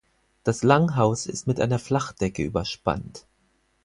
Das Langhaus ist mit einer Flachdecke überspannt.